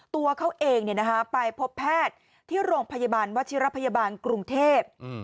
ตัวเขาเองไปพบแพทย์ที่โรงพยาบาลวชิรพยาบาลกรุงเทพ